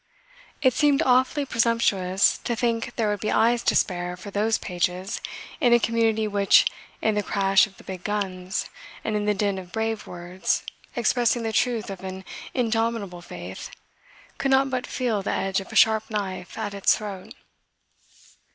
It seemed awfully presumptuous to think there would be eyes to spare for those pages in a community which in the crash of the big guns and in the din of brave words expressing the truth of an indomitable faith could not but feel the edge of a sharp knife at its throat.